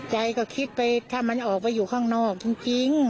ใจก็คิดไปถ้ามันออกไปอยู่ข้างนอกจริง